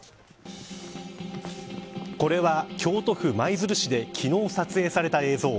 これは京都府舞鶴市で昨日撮影された映像。